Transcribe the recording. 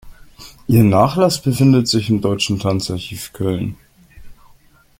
Ihr Nachlass befindet sich im Deutschen Tanzarchiv Köln.